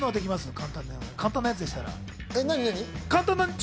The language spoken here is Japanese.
簡単なやつでしたら。